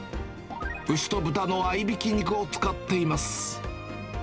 牛と豚の合いびき肉を使っています。